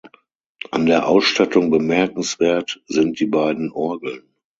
An der Ausstattung bemerkenswert sind die beiden Orgeln.